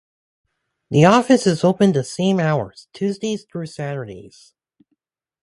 The office is open the same hours, Tuesdays through Saturdays.